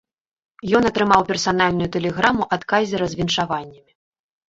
Ён атрымаў персанальную тэлеграму ад кайзера з віншаваннямі.